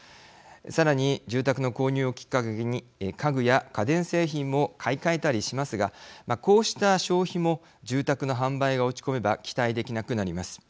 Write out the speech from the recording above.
さらに住宅の購入をきっかけに家具や家電製品も買い替えたりしますがこうした消費も住宅の販売が落ち込めば期待できなくなります。